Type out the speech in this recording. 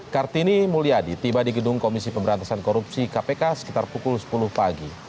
kartini mulyadi tiba di gedung komisi pemberantasan korupsi kpk sekitar pukul sepuluh pagi